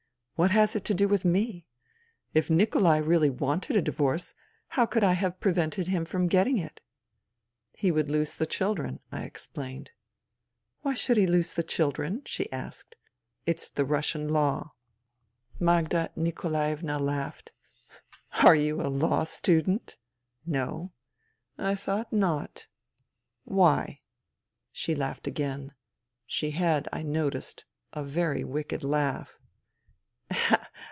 What has it to do with me ? If Nikolai really wanted a divorce, how could I have prevented him from getting it ?"" He would lose the children," I explained. " Why should he lose the children ?" she asked. "It's the Russian law." 54 FUTILITY Magda Nikolaevna laughed. " Are you a law student ?"" No." " I thought not." " Why ?" She laughed again. She had, I noticed, a very wicked laugh.